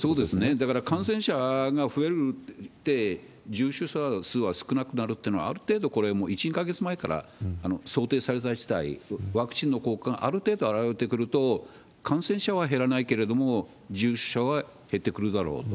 だから感染者が増えて、重症者数は少なくなるっていうのは、ある程度、これは１、２か月前から想定された事態、ワクチンの効果がある程度表れてくると、感染者は減らないけれども、重症者は減ってくるだろうと。